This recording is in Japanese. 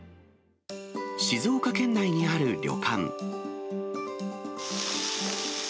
静岡県内にある旅館。